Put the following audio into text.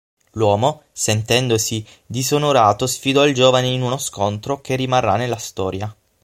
L’uomo sentendosi disonorato sfidò il giovane in uno scontro che rimarrà nella storia.